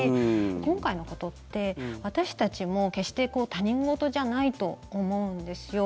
今回のことって私たちも決して他人ごとじゃないと思うんですよ。